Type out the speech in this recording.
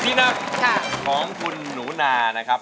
ที่นั่งของคุณหนูนานะครับ